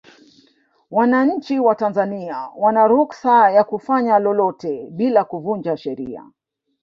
wananchi wa tanzania wana ruksa ya kufanya lolote bila kuvunja sheria